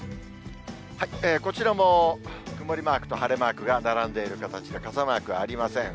こちらも曇りマークと晴れマークが並んでいる形で、傘マークはありません。